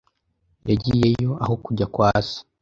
Yagiyeyo aho kujya kwa se.